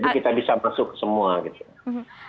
jadi kita bisa masuk semua gitu